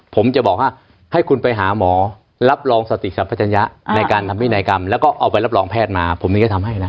ผมจะบอกว่าให้คุณไปหาหมอรับรองสติสรรพจัญญะในการทำพินัยกรรมแล้วก็เอาไปรับรองแพทย์มาผมถึงจะทำให้นะ